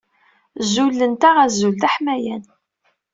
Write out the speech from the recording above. Zulent-aɣ azul d aḥmayan.